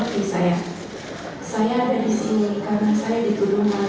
jadi kita akan menunjukkan apa yg terjadi